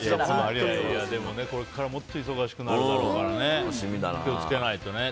でもこれからもっと忙しくなるだろうから気を付けないとね。